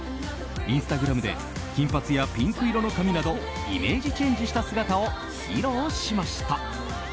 インスタグラムで金髪やピンク色の髪などイメージチェンジした姿を披露しました。